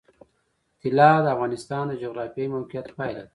طلا د افغانستان د جغرافیایي موقیعت پایله ده.